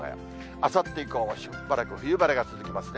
あさって以降、しばらく冬晴れが続きますね。